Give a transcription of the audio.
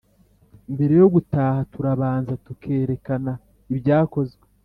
Mbere yogutaha turabanza tukerekana ibyakozwe